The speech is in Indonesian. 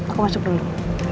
aku masuk dulu